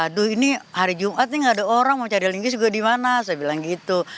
aduh ini hari jumat nih gak ada orang mau cari lingkis juga dimana saya bilang gitu